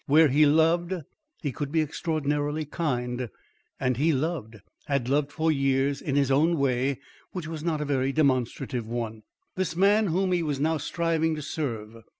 Where he loved, he could be extraordinarily kind, and he loved, had loved for years, in his own way which was not a very demonstrative one, this man whom he was now striving to serve.